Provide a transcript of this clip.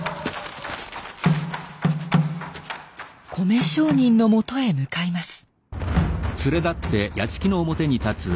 米商人のもとへ向かいます。